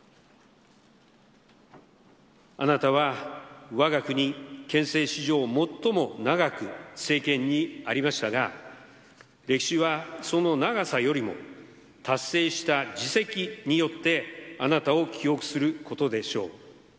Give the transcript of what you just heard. あなたはわが国憲政史上最も長く政権にありましたが、歴史はその長さよりも、達成した事績によって、あなたを記憶することでしょう。